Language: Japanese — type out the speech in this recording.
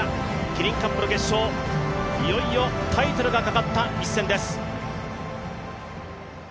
キリンカップの決勝、いよいよタイトルがかかった一戦です。